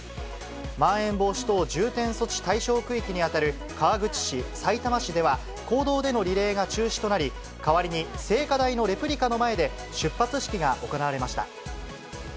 まん延防止等重点措置対象区域に当たる川口市、さいたま市では公道でのリレーが中止となり、代わりに聖火台のレプリカの前で、出発式が行われました。